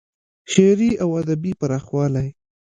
شعري او ادبي پراخوالی